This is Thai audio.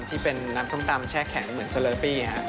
ที่เป็นน้ำส้มตำแช่แข็งเหมือนสเลอร์ปี้นะครับ